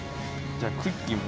じゃあクッキーも。